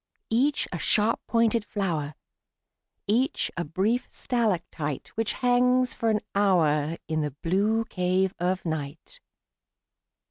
Each a sharp pointed flower, Each a brief stalactite Which hangs for an hour In the blue cave of night.